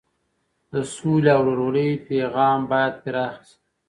د سولې او ورورولۍ پیغام باید پراخه شي.